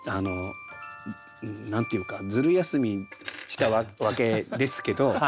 何て言うかずる休みしたわけですけど。